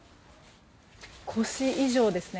腰以上ですね。